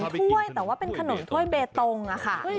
มันคือขนมถ้วยแต่ว่าเป็นขนมถ้วยเบตตงค่ะ